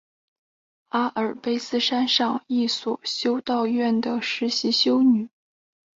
玛莉亚是阿尔卑斯山上一所修道院的实习修女。